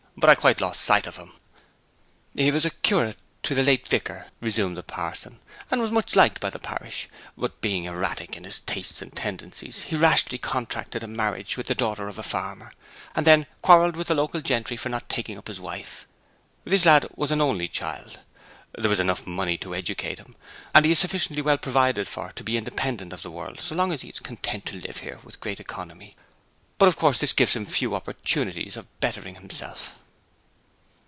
'But I quite lost sight of him.' 'He was curate to the late vicar,' resumed the parson, 'and was much liked by the parish: but, being erratic in his tastes and tendencies, he rashly contracted a marriage with the daughter of a farmer, and then quarrelled with the local gentry for not taking up his wife. This lad was an only child. There was enough money to educate him, and he is sufficiently well provided for to be independent of the world so long as he is content to live here with great economy. But of course this gives him few opportunities of bettering himself.'